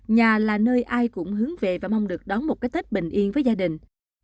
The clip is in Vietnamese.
nhà là nơi ai cũng hướng về và mong được đón một cái tết bình yên với gia đình